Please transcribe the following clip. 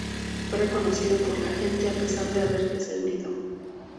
Fue reconocido por la gente a pesar de haber descendido.